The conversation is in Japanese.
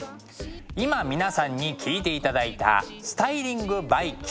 今皆さんに聴いていただいた「スタイリングｂｙキトラ」。